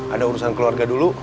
ada urusan keluarga dulu